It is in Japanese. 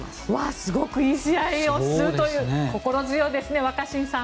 すごくいい試合をするという心強いですね、若新さん。